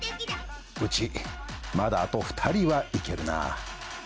うちまだあと２人は行けるなぁ。